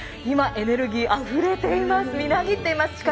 今、エネルギーあふれています！